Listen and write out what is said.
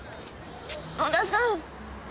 野田さん！